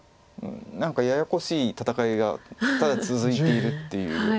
何かややこしい戦いがただ続いているっていう。